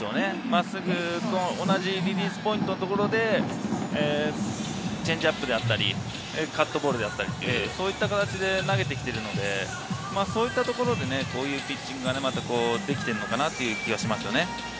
真っすぐと同じリリースポイントで、チェンジアップであったりカットボールであったり、そういった形で投げてきているので、そういったところで、このピッチングができているのかなという気がしますね。